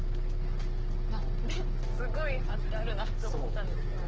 何かすごい貼ってあるなって思ったんですけど。